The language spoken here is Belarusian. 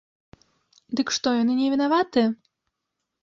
Дык што, яны невінаватыя?